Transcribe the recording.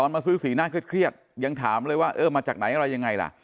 มาซื้อสีหน้าเครียดยังถามเลยว่าเออมาจากไหนอะไรยังไงล่ะ